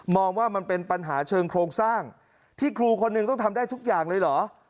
ว่ามันเป็นปัญหาเชิงโครงสร้างที่ครูคนหนึ่งต้องทำได้ทุกอย่างเลยเหรอ